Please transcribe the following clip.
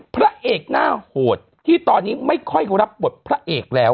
พระเอกหน้าโหดที่ตอนนี้ไม่ค่อยรับบทพระเอกแล้ว